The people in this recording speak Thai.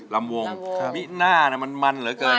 ลำวงพี่หน้ามันมันเหลือเกิน